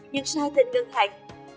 nhưng sai tên ngân hành